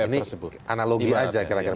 ini analogi aja kira kira